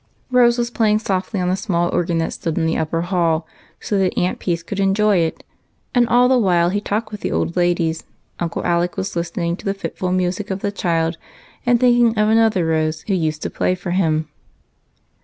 Rose was playing softly on the small organ that stood in the upper hall, so that Aunt Peace could enjoy it; and all the while he talked with the old ladies Uncle Alec was listening to the fitful music of the child, and thinking of another Rose who used to play for him.